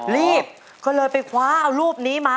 รีบก็เลยไปคว้าเอารูปนี้มา